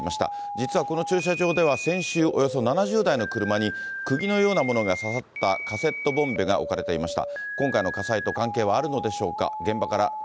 実はこの駐車場では先週およそ７０台の車に、くぎのようなものが刺さったカセットボンベが置かれていました。